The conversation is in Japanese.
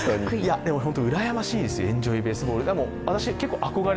うらやましいですよ、エンジョイベースボール。